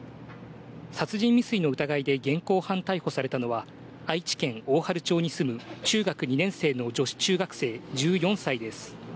殺人未遂の疑いで現行犯逮捕されたのは、愛知県大治町に住む中学２年生の女子中学生１４歳です。